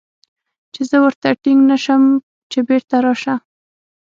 چې زه ورته ټينګ نه سم چې بېرته راسه.